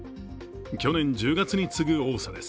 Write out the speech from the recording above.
去年１０月に次ぐ多さです。